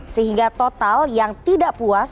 sehingga total yang tidak puas